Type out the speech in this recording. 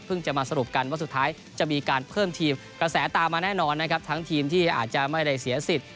จะมาสรุปกันว่าสุดท้ายจะมีการเพิ่มทีมกระแสตามมาแน่นอนนะครับทั้งทีมที่อาจจะไม่ได้เสียสิทธิ